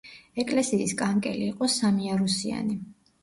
ეკლესიის კანკელი იყო სამიარუსიანი.